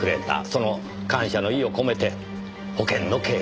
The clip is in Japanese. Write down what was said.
その感謝の意を込めて保険の契約をした。